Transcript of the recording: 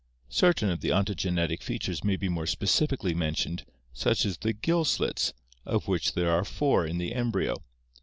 Certain of the ontogenetic features may be more specifically mentioned, such as the gill slits, of which there are four in the embryo.